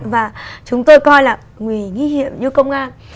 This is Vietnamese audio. và chúng tôi coi là nguy hiểm như công an